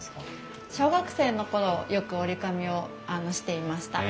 小学生の頃よく折り込みをしていました。